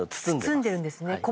包んでるんですね。